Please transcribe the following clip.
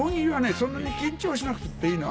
そんなに緊張しなくっていいの。